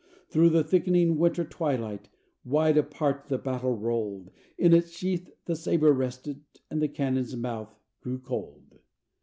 Through the thickening winter twilight, wide apart the battle rolled, In its sheath the sabre rested and the cannon's mouth grew cold.